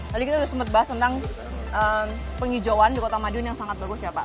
tadi kita sudah sempat bahas tentang penghijauan di kota madiun yang sangat bagus ya pak